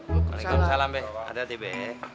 waalaikumsalam be ada t be